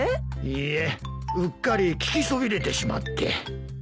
うっかり聞きそびれてしまって。